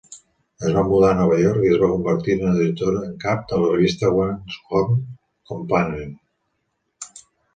Es va mudar a Nova York i es va convertir en editora en cap de la revista "Woman's Home Companion".